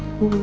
eh pak kakak